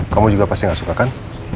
kamu juga pasti gak suka kan